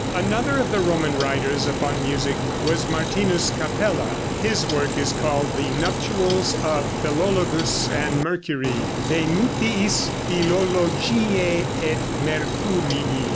Another of the Roman writers upon music was Martinus Capella. His work is called the "Nuptials of Philologus and Mercury" ("De Nuptiis Philologiæ et Mercurii").